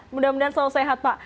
mudah mudahan selalu sehat pak